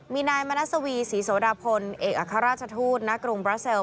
มีนายมณสวีศรีสวดาพลเอกอาฆาตชาตุธนกรุงเบอร์เซลค์